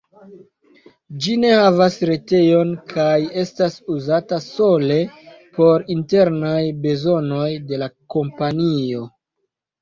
Ĝi ne havas retejon kaj estas uzata sole por internaj bezonoj de la kompanio.